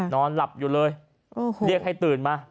นอนหลับอยู่เลยเรียกให้ตื่นมา